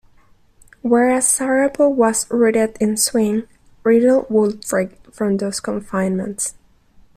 Whereas Siravo was rooted in swing, Riddle would break from those confinements.